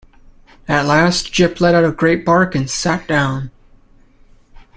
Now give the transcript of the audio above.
At last Jip let out a great bark and sat down.